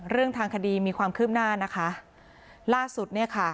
เรื่องทางคดีมีความคืบหน้านะคะล่าสุดเนี่ยค่ะ